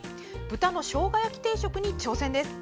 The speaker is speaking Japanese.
豚のしょうが焼き定食に挑戦です。